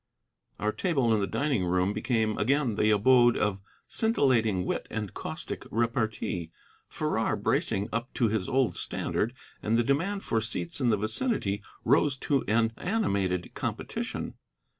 Our table in the dining room became again the abode of scintillating wit and caustic repartee, Farrar bracing up to his old standard, and the demand for seats in the vicinity rose to an animated competition.